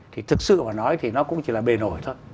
thì thực sự mà nói thì nó cũng chỉ là bề nổi thôi